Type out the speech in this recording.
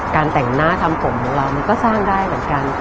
แต่งหน้าทำผมของเรามันก็สร้างได้เหมือนกัน